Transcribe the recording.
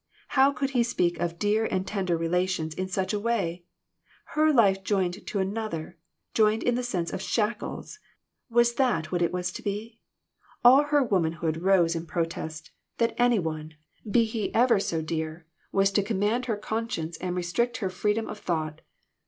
How could he speak of dear and tender relations in such a way ? Her life joined to another's, joined in the sense of shackles ! Was that what it was to be ? All her womanhood rose in protest, that any one, FANATICISM. 339 be he ever so dear, was to command her con science and restrict her freedom of thought.